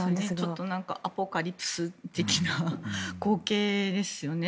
ちょっとアポカリプス的な光景ですよね。